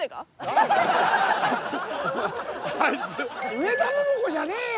上田桃子じゃねえよ！